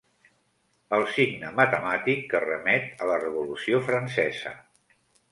El signe matemàtic que remet a la Revolució Francesa.